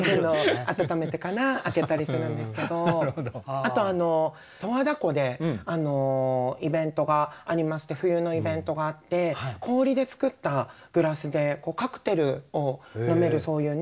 あと十和田湖でイベントがありまして冬のイベントがあって氷で作ったグラスでカクテルを飲めるそういうね